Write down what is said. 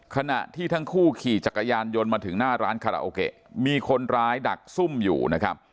ขณะที่ทั้งคู่ขี่จักรยานยนต์มาถึงหน้าร้านคาราโอเกะมีคนร้ายดักซุ่มอยู่นะครับ